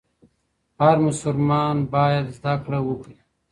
هر مسلمان باید زدهکړه وکړي.